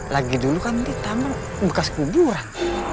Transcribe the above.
lagi dulu kan di taman bekas kuburan